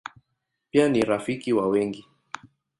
Pia ni rafiki wa wengi.